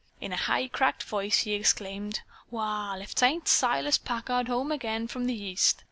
In a high, cracked voice he exclaimed: "Wall, if 'tain't Silas Packard home again from the East.